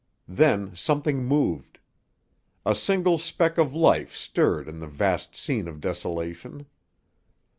Then something moved. A single speck of life stirred in the vast scene of desolation.